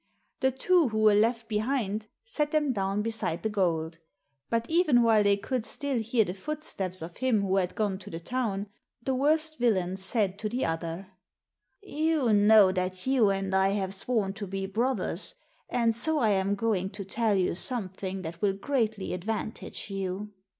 The two who were left behind sat them down be side the gold ; but even while they could still hear the no t^^ ^<xxboMt'0 ^ak footsteps of him who had gone to the town, the worst villain said to the other, " You know that you and I have sworn to be brothers, and so I am going to tell you something that will greatly advantage you.